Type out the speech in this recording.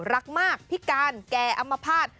รักมากพิการแก่อัมพาต